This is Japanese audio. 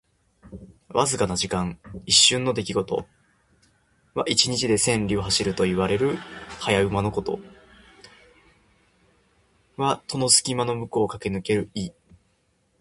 わずかな時間。一瞬の出来事。「騏驥」は一日で千里を走りきるといわれる駿馬のこと。「過隙」は戸の隙間の向こう側をかけぬける意。